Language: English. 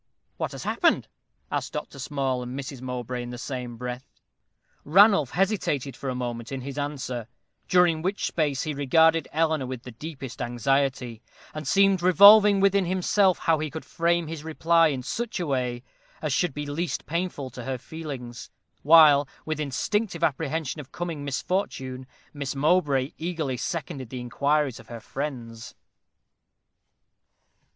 "What has happened?" asked Dr. Small and Mrs. Mowbray in the same breath. Ranulph hesitated for a moment in his answer, during which space he regarded Eleanor with the deepest anxiety, and seemed revolving within himself how he could frame his reply in such way as should be least painful to her feelings; while, with instinctive apprehension of coming misfortune, Miss Mowbray eagerly seconded the inquiries of her friends.